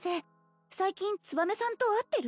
最近つばめさんと会ってる？